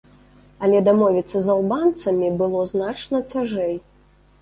Але дамовіцца з албанцамі было значна цяжэй.